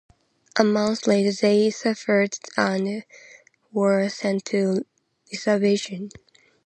A month later they surrendered and were sent to reservations.